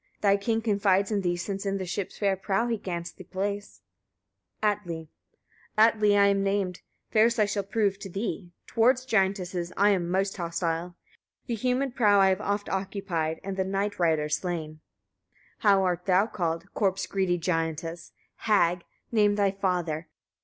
Thy king confides in thee, since in the ship's fair prow he grants thee place. Atli. 15. Atli I am named, fierce I shall prove to thee; towards giantesses I am most hostile. The humid prow I have oft occupied, and the night riders slain. 16. How art thou called? corpse greedy giantess! hag! name thy father.